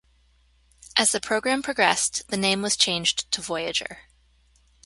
As the program progressed, the name was changed to Voyager.